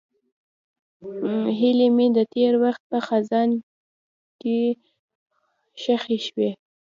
هیلې مې د تېر وخت په خزان کې ښخې شوې.